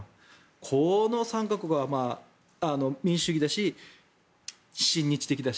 この３か国は民主主義だし親日的だし。